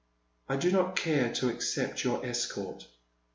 '* I do not care to accept your escort."